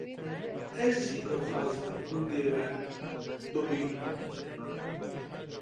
Ez jî dixwazim gundê we bibînim.